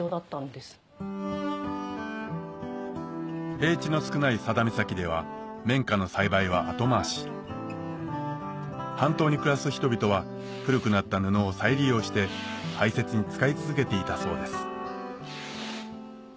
平地の少ない佐田岬では綿花の栽培は後回し半島に暮らす人々は古くなった布を再利用して大切に使い続けていたそうです